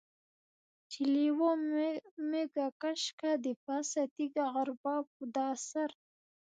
چې لېوه مږه کش کي دپاسه تيږه غربا په دا سر.